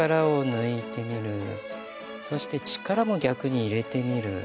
そして力も逆に入れてみる。